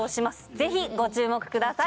ぜひご注目ください